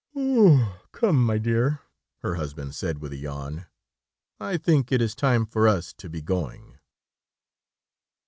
"Come, my dear," her husband said, with a yawn; "I think it is time for us to be going."